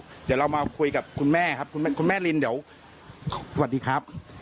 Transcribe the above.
เดี๋ยวเรามาคุยกับคุณแม่ครับคุณแม่ลินเดี๋ยวสวัสดีครับ